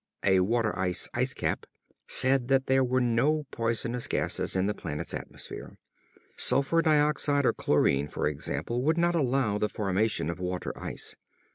A water ice ice cap said that there were no poisonous gases in the planet's atmosphere. Sulfur dioxide or chlorine, for example, would not allow the formation of water ice.